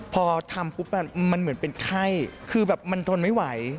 พอทำปุ๊บมันเหมือนเป็นไข้คือแบบมันทนไม่ไหว